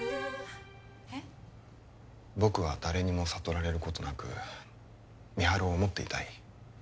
えっ僕は誰にも悟られることなく美晴を思っていたい